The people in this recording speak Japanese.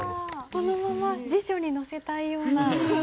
このまま辞書に載せたいような。